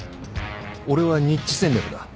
俺はニッチ戦略だ。